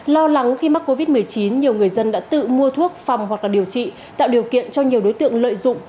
lo lắng khi mắc covid một mươi chín nhiều người dân đã tự mua thuốc phòng hoặc điều trị tạo điều kiện cho nhiều đối tượng lợi dụng